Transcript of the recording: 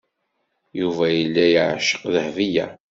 Yuba yella yeɛceq Dahbiya.